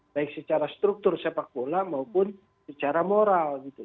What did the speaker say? baik secara struktur sepak bola maupun secara moral gitu